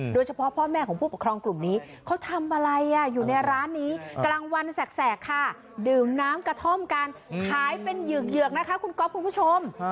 โดยเฉพาะพ่อแม่ของผู้ปกครองกลุ่มนี้เขาทำอะไรอยู่ในร้านนี้กลางวันแสกค่ะดื่มน้ำกระท่อมกันขายเป็นเหยือกนะคะคุณก๊อฟคุณผู้ชม